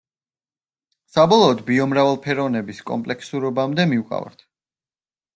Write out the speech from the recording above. საბოლოოდ ბიომრავალფეროვნების კომპლექსურობამდე მივყავართ.